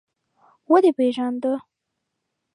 _ودې پېژانده؟